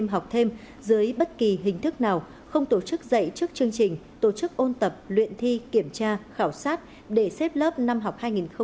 học thêm dưới bất kỳ hình thức nào không tổ chức dạy trước chương trình tổ chức ôn tập luyện thi kiểm tra khảo sát để xếp lớp năm học hai nghìn hai mươi hai nghìn hai mươi một